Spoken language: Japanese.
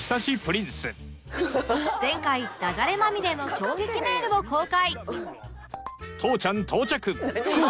前回ダジャレまみれの衝撃メールを公開